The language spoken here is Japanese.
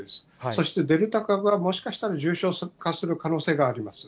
そしてデルタ株はもしかしたら重症化する可能性があります。